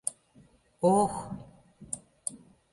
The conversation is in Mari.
О-ох!..